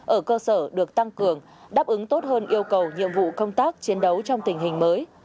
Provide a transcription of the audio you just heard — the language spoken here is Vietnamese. ở cơ sở được tăng cường đáp ứng tốt hơn yêu cầu nhiệm vụ công tác chiến đấu trong tình hình mới